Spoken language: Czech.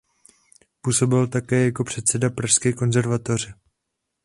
Působil také jako předseda Pražské konzervatoře.